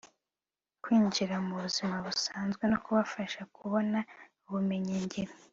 kwinjira mu buzima busazwe no kubafasha kubona ubumenyi ngiro